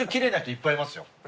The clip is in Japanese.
いっぱいいますか？